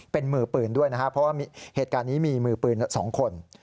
เป็นมือปืนด้วยนะครับเพราะว่าเหตุการณ์นี้มีมือปืน๒คน